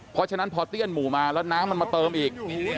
เพราะฉะนั้นพอเตี้ยนหมู่มาแล้วน้ำมันมาเติมอีก